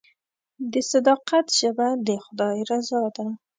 د صداقت ژبه د خدای رضا ده.